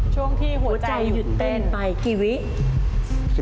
ช่วงที่หัวใจหยุดเต้นหัวใจหยุดเต้นไปกี่วินาที